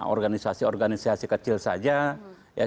organisasi organisasi kecil saja